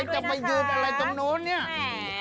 แล้วจะไปยืนอะไรตรงโน้นเนี่ย